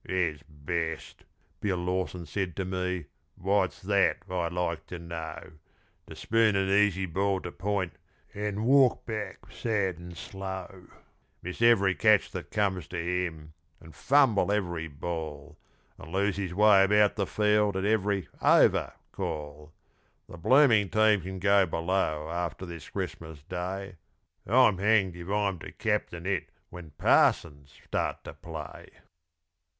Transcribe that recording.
"His best," Bill Lawson said to me, "what's that, I'd like to know? To spoon an easy ball to point, and walk back sad and slow, Miss every catch that comes to him and fumble every ball, And lose his way about the field at every 'over' call. The blooming team can go below after this Christmas Day; I'm hanged if I'm to captain it when parsons start to play."